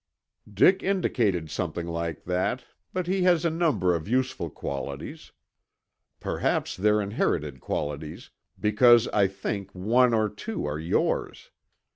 "Dick indicated something like that, but he has a number of useful qualities. Perhaps they're inherited qualities, because I think one or two are yours.